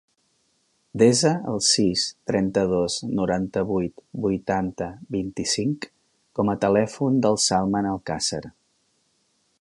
Desa el sis, trenta-dos, noranta-vuit, vuitanta, vint-i-cinc com a telèfon del Salman Alcacer.